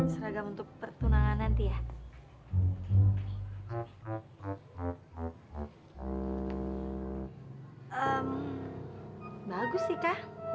terus kamu tinggal pilih mana yang kamu suka